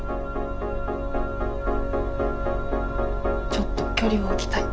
ちょっと距離置きたい。